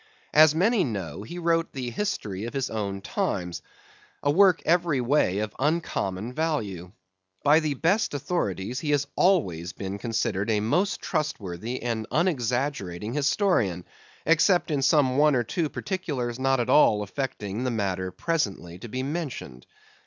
As many know, he wrote the history of his own times, a work every way of uncommon value. By the best authorities, he has always been considered a most trustworthy and unexaggerating historian, except in some one or two particulars, not at all affecting the matter presently to be mentioned.